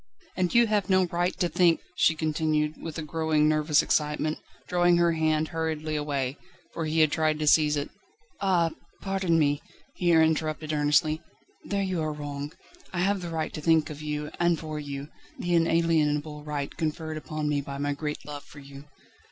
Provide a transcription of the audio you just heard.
"And you have no right to think ..." she continued, with a growing, nervous excitement, drawing her hand hurriedly away, for he had tried to seize it. "Ah! pardon me," he interrupted earnestly, "there you are wrong. I have the right to think of you and for you the inalienable right conferred upon me by my great love for you."